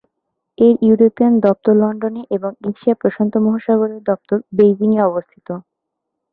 এর ইউরোপিয়ান দপ্তর লন্ডনে এবং এশিয়া প্রশান্ত-মহাসাগরীয় দপ্তর বেইজিং-এ অবস্থিত।